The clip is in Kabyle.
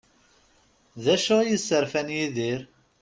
D acu i yesserfan Yidir?